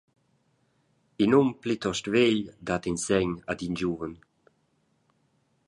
In um plitost vegl dat in segn ad in giuven.